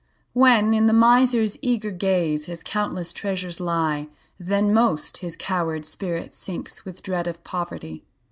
When, in the miser's eager gaze, His countless treasures lie, Then most his coward spirit sinks, With dread of poverty.